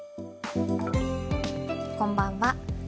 こんばんは。